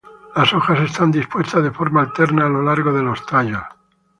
Las hojas están dispuestas de forma alterna a lo largo de los tallos.